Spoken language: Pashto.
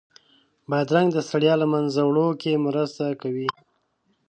بادرنګ د ستړیا له منځه وړو کې مرسته کوي.